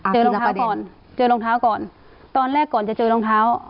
รองเท้าก่อนเจอรองเท้าก่อนตอนแรกก่อนจะเจอรองเท้า